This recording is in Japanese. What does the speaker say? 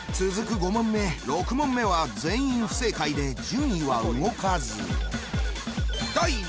５問目６問目は全員不正解で順位は動かず。